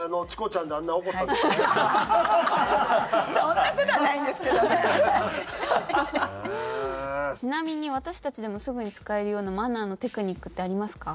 ちなみに私たちでもすぐに使えるようなマナーのテクニックってありますか？